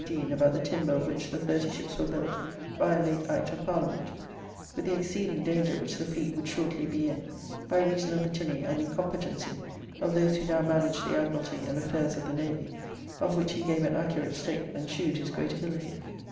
Deane about the timber of which the thirty ships were built by a late Act of Parliament, with the exceeding danger which the fleete would shortly be in, by reason of the tyranny and incompetency of those who now managed the Admiralty and affairs of the Navy, of which he gave an accurate state, and shew'd his greate ability."